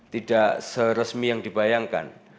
tidak seresmi yang dibayangkan